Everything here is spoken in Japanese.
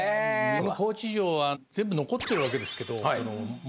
この高知城は全部残ってるわけですけど門も何も。